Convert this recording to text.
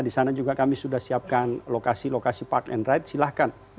di sana juga kami sudah siapkan lokasi lokasi park and ride silahkan